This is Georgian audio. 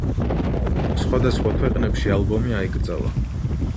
სხვადასხვა ქვეყნებში ალბომი აიკრძალა.